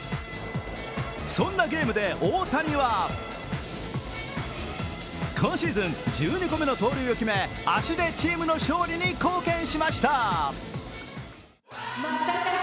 そんなゲームで大谷は今シーズン１２個目の盗塁を決め、足でチームの勝利に貢献しました。